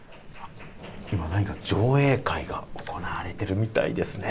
今、何か上映会が行われてるみたいですね。